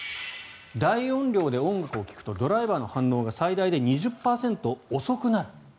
大音量で音楽を聴くとドライバーの反応が最大で２０％遅くなる。